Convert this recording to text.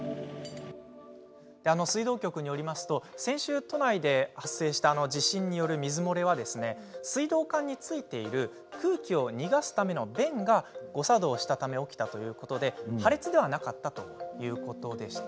水道局によりますと先週、都内で発生した地震による水漏れは水道管についている空気を逃がすための弁が誤作動したため起きたということで破裂ではなかったということでした。